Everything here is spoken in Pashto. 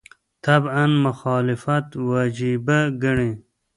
تعبداً مخالفت وجیبه ګڼي.